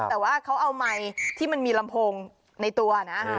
แต่ว่าเขาเอาไมค์ที่มันมีลำโพงในตัวนะ